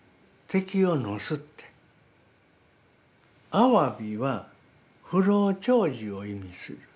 あわびは不老長寿を意味する。